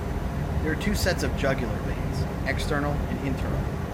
There are two sets of jugular veins: external and internal.